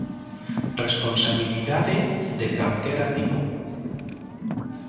Responsabilidade de calquera tipo.